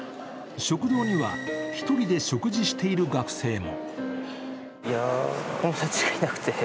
食堂には１人で食事している学生も。